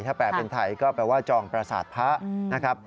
ถ้าแปลเป็นไทยก็แปลว่าจองประสาทพระนะครับ